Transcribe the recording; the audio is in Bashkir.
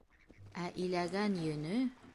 Ә иләгән йөнө!